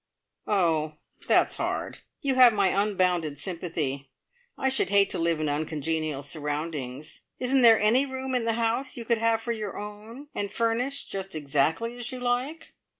"Oh, that's hard! You have my unbounded sympathy. I should hate to live in uncongenial surroundings. Isn't there any room in the house you could have for your own, and furnish just exactly as you like?"